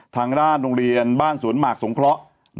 ทางด้านโรงเรียนบ้านสวนหมากสงเคราะห์